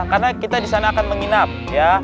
karena kita di sana akan menginap ya